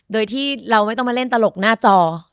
โดยที่เราไม่ต้องมาเล่นตลกหน้าจอ